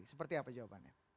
seperti apa jawabannya